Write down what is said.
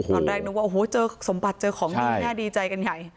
ตอนแรกนึกว่าโอ้โหเจอสมบัติเจอของดีแน่ดีใจกันใหญ่